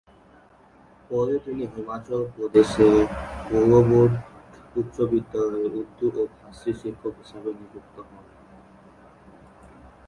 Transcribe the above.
পরে তিনি হিমাচল প্রদেশের পৌর বোর্ড উচ্চ বিদ্যালয়ে উর্দু ও ফারসি শিক্ষক হিসাবে নিযুক্ত হন।